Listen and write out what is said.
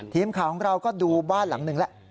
ทีมข่าวของเราก็ดูบ้านหลังหนึ่งแล้ว